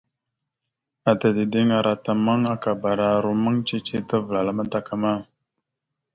Ata dideŋ ara ata ammaŋ akabara rommaŋ cici talaval a madakama.